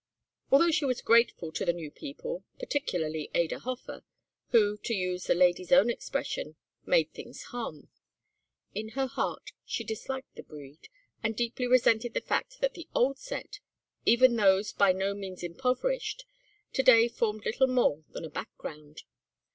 Although she was grateful to the new people, particularly Ada Hofer, who, to use the lady's own expression "made things hum," in her heart she disliked the breed, and deeply resented the fact that the old set, even those by no means impoverished, to day formed little more than a background.